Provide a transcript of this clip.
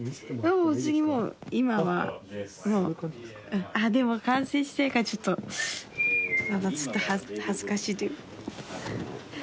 お別にもう今はあっでも完成してるかちょっとまだちょっと恥ずかしい